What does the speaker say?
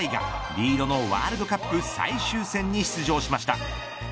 リードのワールドカップ最終戦に出場しました。